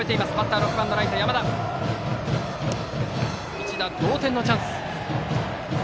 一打同点のチャンス。